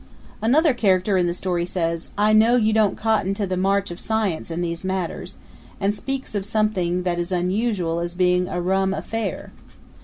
Another character in the story says, "I know you don't cotton to the march of science in these matters," and speaks of something that is unusual as being "a rum affair."